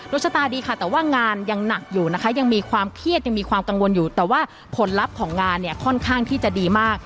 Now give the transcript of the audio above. ชะตาดีค่ะแต่ว่างานยังหนักอยู่นะคะยังมีความเครียดยังมีความกังวลอยู่แต่ว่าผลลัพธ์ของงานเนี่ยค่อนข้างที่จะดีมาก